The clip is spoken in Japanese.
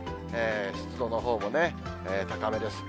湿度のほうもね、高めです。